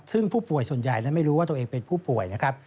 ซึ่งผู้ป่วยส่วนใหญ่นั้นไม่รู้ว่าตัวเองเป็นผู้ป่วยนะครับ